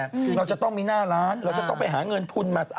เราจะต้องมีหน้าร้านเราจะต้องไปหาเงินทุนมา